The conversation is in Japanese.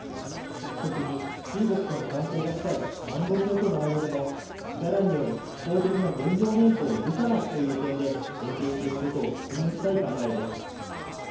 特に中国との関係が深いカンボジアとの間でも力による一方的な現状変更を許さないという点で連携していくことを確認したい考えです。